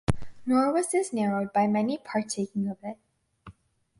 Nor was this narrowed by many partaking of it.